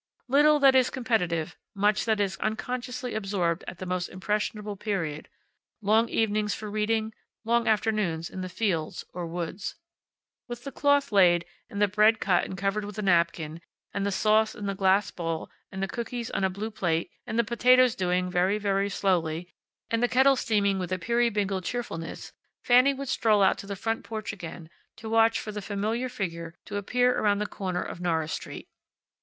Little that is competitive, much that is unconsciously absorbed at the most impressionable period, long evenings for reading, long afternoons in the fields or woods. With the cloth laid, and the bread cut and covered with a napkin, and the sauce in the glass bowl, and the cookies on a blue plate, and the potatoes doing very, very slowly, and the kettle steaming with a Peerybingle cheerfulness, Fanny would stroll out to the front porch again to watch for the familiar figure to appear around the corner of Norris Street.